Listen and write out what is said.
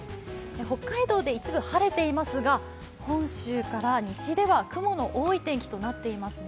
北海道で一部晴れていますが本州から西では雲の多い天気となっていますね。